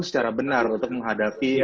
secara benar untuk menghadapi